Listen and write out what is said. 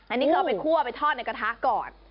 อันนี้คือเอาไปคั่วไปทอดในกระทะก่อน